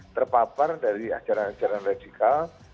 terpapar dari ajaran ajaran radikal